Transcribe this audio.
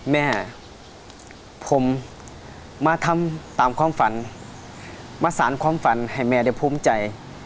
แม่ผมมาทำตามความฝันมาสารความฝันให้แม่ได้ภูมิใจ